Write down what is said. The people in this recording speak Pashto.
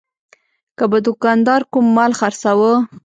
که به دوکاندار کوم مال خرڅاوه.